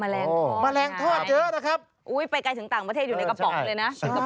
แมลงทอดเยอะนะครับอุ้ยไปไกลถึงต่างประเทศอยู่ในกระป๋องเลยนะ